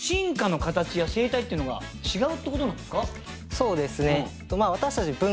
そうですね